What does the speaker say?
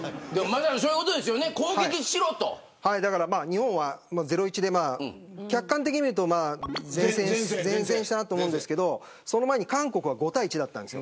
日本は０対１で客観的に見ると善戦したなと思うんですがその前に韓国は５対１だったんです。